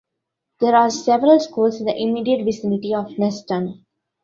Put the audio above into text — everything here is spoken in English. There are several schools in the immediate vicinity of Nesttun.